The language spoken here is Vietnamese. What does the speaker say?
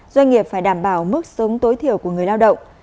doanh nghiệp phải đảm bảo mức sống tối thiểu của người lao động